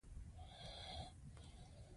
د میا مصطفی لمسی وو.